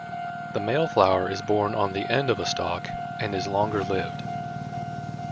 The male flower is borne on the end of a stalk and is longer-lived.